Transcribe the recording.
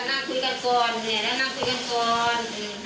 นั่นนั่นนั่น